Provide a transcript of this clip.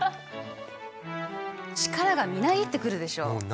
力がみなぎってくるでしょう？